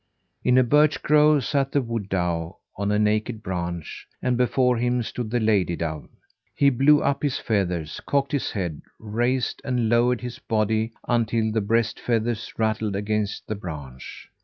In a birch grove sat the wood dove on a naked branch, and before him stood the lady dove. He blew up his feathers, cocked his head, raised and lowered his body, until the breast feathers rattled against the branch.